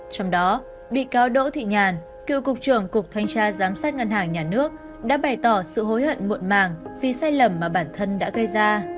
trong đó bị cáo đỗ thị nhàn cựu cục trưởng cục thanh tra giám sát ngân hàng nhà nước đã bày tỏ sự hối hận muộn màng vì sai lầm mà bản thân đã gây ra